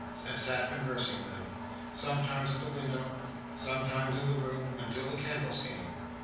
—and sat conversing with him, sometimes at the window, sometimes in the room, until the candles came.